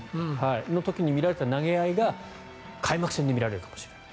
その時に見られた投げ合いが開幕戦で見られるかもしれない。